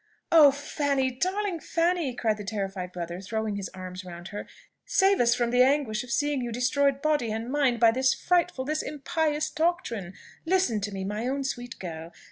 "Oh, Fanny! darling Fanny!" cried the terrified brother, throwing his arms round her: "save us from the anguish of seeing you destroyed body and mind by this frightful, this impious doctrine! Listen to me, my own sweet girl!